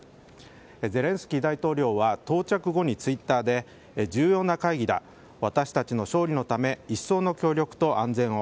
ゼレンスキー大統領は到着後にツイッターで重要な会議だ私たちの勝利のため一層の協力と安全を。